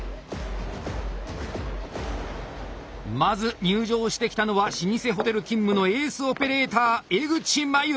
まず入場してきたのは老舗ホテル勤務のエースオペレーター江口真由。